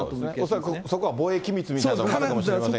恐らくそこは防衛機密みたいなものもあるのかもしれませんけ